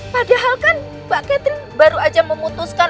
padahal kan mbak catherine baru aja memutuskan